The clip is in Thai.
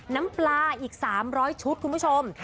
น้ำปลาอีก๓๐๐ชุดคุณผู้ชม